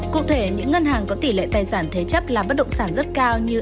cụ thể những ngân hàng có tỷ lệ tài sản thế chấp làm bất động sản rất cao như